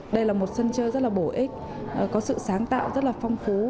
đây là một sân chơi rất là bổ ích có sự sáng tạo rất là phong phú